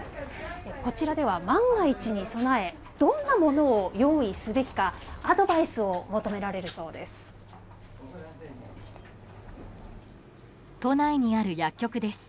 こちらでは万が一に備えどんなものを用意すべきかアドバイスを求められるそうです。